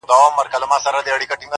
o مړی هر وخت په قيامت رضا وي!